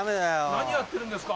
何やってるんですか。